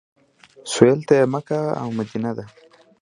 سویل ته یې مکه او مدینه ده.